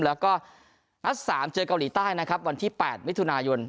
แล้วก็นัดสามเจอการีใต้นะครับวันที่แปดมิทุนายนต์